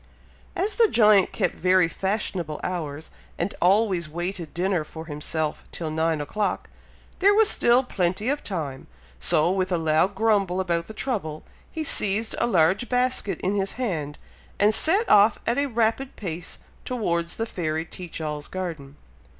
As the giant kept very fashionable hours, and always waited dinner for himself till nine o'clock, there was still plenty of time; so, with a loud grumble about the trouble, he seized a large basket in his hand, and set off at a rapid pace towards the fairy Teach all's garden.